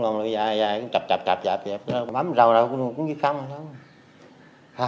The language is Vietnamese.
đó bấm lưỡi ra chạp chạp chạp bấm râu ra cũng không